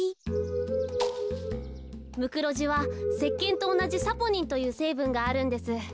ムクロジはせっけんとおなじサポニンというせいぶんがあるんです。